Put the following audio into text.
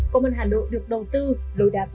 công an hà nội được đầu tư lối đá cũng hay